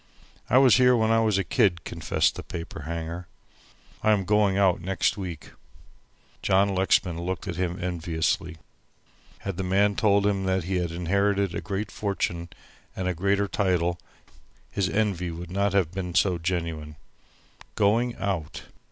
"I was here when I was a kid," confessed the paper hanger. "I am going out next week." John Lexman looked at him enviously. Had the man told him that he had inherited a great fortune and a greater title his envy would not have been so genuine. Going out!